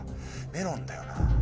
メロンだよな。